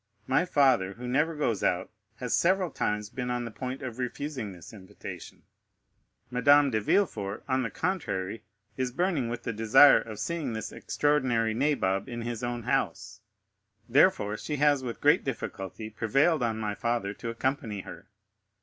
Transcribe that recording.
My father, who never goes out, has several times been on the point of refusing this invitation; Madame de Villefort, on the contrary, is burning with the desire of seeing this extraordinary nabob in his own house, therefore, she has with great difficulty prevailed on my father to accompany her.